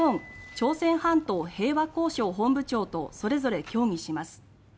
朝鮮半島平和交渉本部長とそれぞれ協議します。